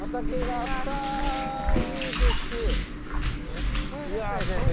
絶景ですね先生。